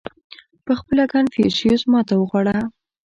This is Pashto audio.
• پهخپله کنفوسیوس ماتې وخوړه.